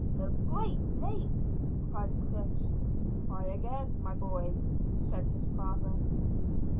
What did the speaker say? "A great lake," cried Chris. "Try again, my boy," said his father.